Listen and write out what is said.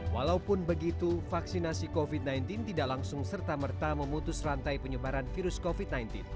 walaupun begitu vaksinasi covid sembilan belas tidak langsung serta merta memutus rantai penyebaran virus covid sembilan belas